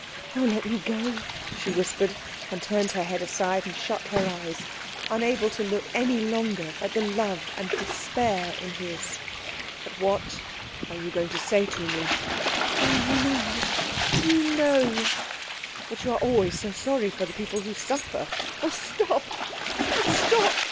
"Oh, let me go " she whispered; and turned her head aside, and shut her eyes, unable to look any longer at the love and despair in his. "But what are you going to say to me?" "Oh, you know you know " "But you are so sorry always for people who suffer " "Oh, stop oh, stop!"